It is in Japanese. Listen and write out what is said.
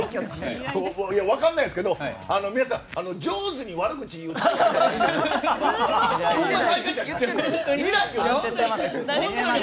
分からないですけど皆さん、上手に悪口言うのやめてください。